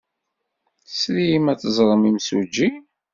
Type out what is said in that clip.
Tesrim ad teẓrem imsujji?